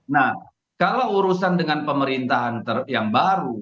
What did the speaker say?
nah kalau urusan dengan pemerintahan yang baru